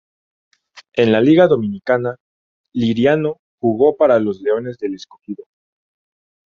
En la Liga Dominicana, "Liriano" jugó para los Leones del Escogido.